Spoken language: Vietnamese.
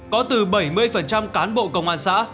có từ bảy mươi cán bộ công an xã